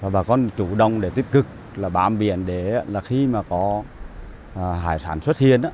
bà con chủ động để tích cực bám biển để khi có hải sản xuất hiện